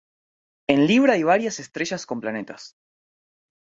En Libra hay varias estrellas con planetas.